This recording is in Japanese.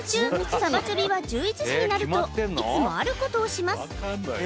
サバチョビは１１時になるといつもあることをします